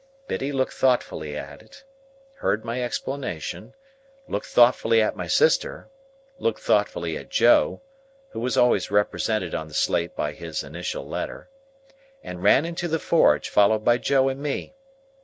Biddy looked thoughtfully at it, heard my explanation, looked thoughtfully at my sister, looked thoughtfully at Joe (who was always represented on the slate by his initial letter), and ran into the forge, followed by Joe and me.